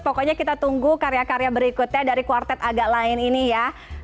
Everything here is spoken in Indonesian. pokoknya kita tunggu karya karya berikutnya dari quartet agak lain ini ya